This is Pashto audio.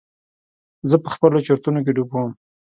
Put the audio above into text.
زه په خپلو چورتونو کښې ډوب وم.